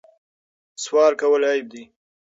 سوال کول عیب دی.